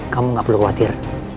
kamu gak perlu khawatir